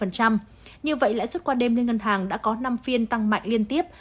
như vậy lãi suất qua đêm liên ngân hàng đã có năm phiên tăng mạnh liên tiếp